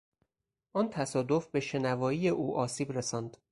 آن تصادف به شنوایی او آسیب رساند.